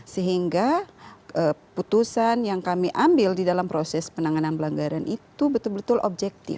sehingga putusan yang kami ambil di dalam proses penanganan pelanggaran itu betul betul objektif